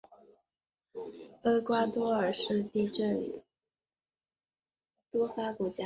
厄瓜多尔是地震多发国家。